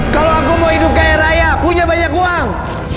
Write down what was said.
kalau aku mau hidup kaya raya punya banyak uang